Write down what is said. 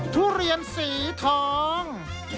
ทุเรียนสีทอง